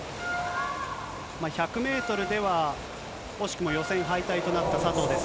１００メートルでは惜しくも予選敗退となった佐藤です。